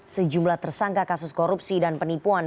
sejumlah tersangka kasus korupsi dan penipuan